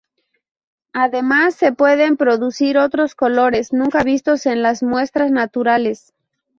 Además, se pueden producir otros colores nunca vistos en las muestras naturales.